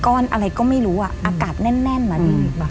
ก้อนอะไรก็ไม่รู้อะอากาศแน่นมาเลย